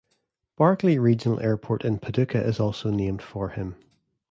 Barkley Regional Airport in Paducah is also named for him.